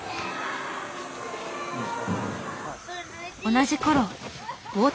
同じ頃。